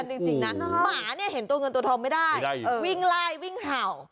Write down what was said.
แต่เงินทรงมันดัสไปเกาะเสา